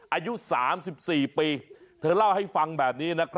อายุ๓๔ปี